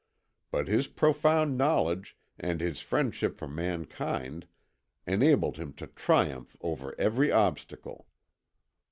But his profound knowledge and his friendship for mankind enabled him to triumph over every obstacle.